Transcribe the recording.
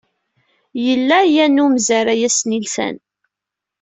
Yella yan umzaray asnilsan.